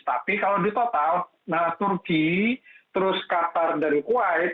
tapi kalau di total turki terus qatar dari kuwait